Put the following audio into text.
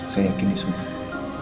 saya yakin di semua